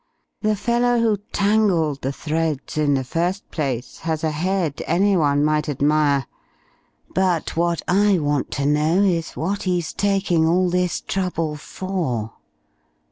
The fellow who tangled the threads in the first place has a head any one might admire. But what I want to know is what he's taking all this trouble for.